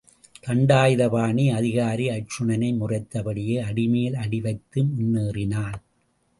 தண்டாயுதபாணி, அதிகாரி அர்ச்சுனனை முறைத்த படியே, அடிமேல் அடி வைத்து முன்னேறினான்.